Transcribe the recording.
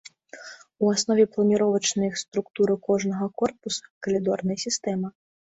У аснове планіровачнай структуры кожнага корпуса калідорная сістэма.